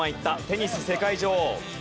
テニス世界女王。